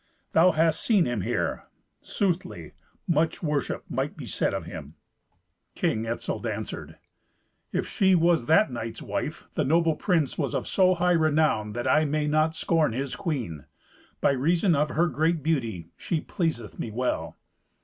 Thou hast seen him here. Soothly, much worship might be said of him." King Etzel answered, "If she was that knight's wife, the noble prince was of so high renown, that I may not scorn his queen. By reason of her great beauty she pleaseth me well."